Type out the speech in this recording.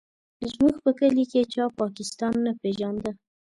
زموږ په کلي کې چا پاکستان نه پېژانده.